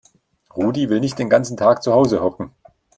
Rudi will nicht den ganzen Tag zu Hause hocken.